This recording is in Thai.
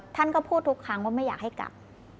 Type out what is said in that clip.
ท่านก็พูดทุกครั้งว่าไม่อยากให้กลับ